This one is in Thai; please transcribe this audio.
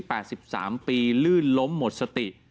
อายุ๘๓ปีลื่นล้มหมดสติ